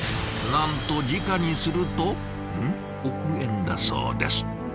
なんと時価にするとン億円だそうです。